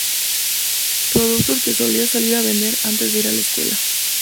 Productos que solía salir a vender antes de ir a la escuela.